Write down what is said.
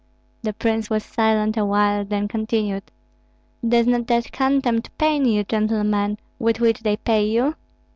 The prince was silent awhile, then continued: "Does not that contempt pain you, gentlemen, with which they pay you?"